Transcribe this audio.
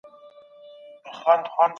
ایا تاسو د نورو حقونو ته درناوی کوئ؟